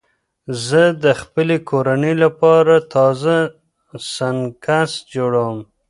زه د خپلې کورنۍ لپاره تازه سنکس جوړوم.